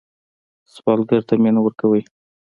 سوالګر ته مینه ورکوئ